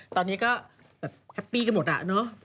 ตอนนี้ก็แฮปปี้กันหมดน่ะโหเผอ